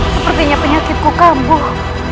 sepertinya penyakitku kambuh